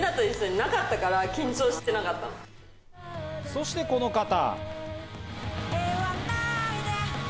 そして、この方。